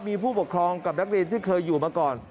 มีผู้ปกครองกับนักเรียนที่เคยอยู่มาก่อน